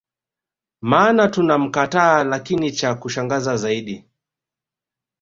maana tunamkataa Lakini cha kushangaza zaidi